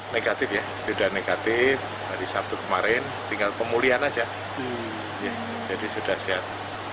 negatif ya sudah negatif hari sabtu kemarin tinggal pemulihan aja jadi sudah sehat